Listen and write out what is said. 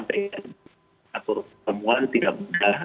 jadi atur pertemuan tidak mudah